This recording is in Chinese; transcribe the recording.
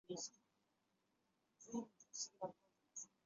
围口冠蛭蚓为蛭蚓科冠蛭蚓属的动物。